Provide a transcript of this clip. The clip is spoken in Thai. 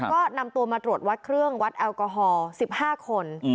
ก็นำตัวมาตรวจวัดเครื่องวัดแอลกอฮอล๑๕คน